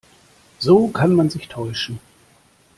So kann man sich täuschen.